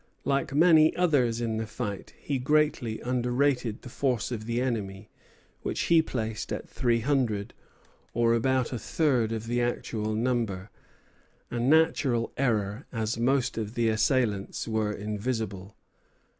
Like many others in the fight, he greatly underrated the force of the enemy, which he placed at three hundred, or about a third of the actual number, a natural error, as most of the assailants were invisible.